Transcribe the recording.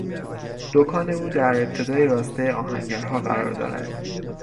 دکان او در ابتدای راسته آهنگرها قرار دارد